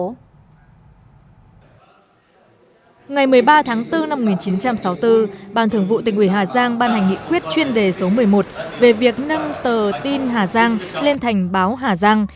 ngày một mươi ba tháng bốn năm một nghìn chín trăm sáu mươi bốn ban thường vụ tỉnh ủy hà giang ban hành nghị quyết chuyên đề số một mươi một về việc nâng tờ tin hà giang lên thành báo hà giang